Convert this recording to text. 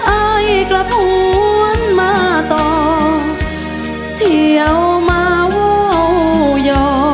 อ้ายกลับหวนมาต่อเที่ยวมาว่าอย่อ